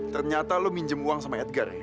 ternyata lo minjem uang sama edgar ya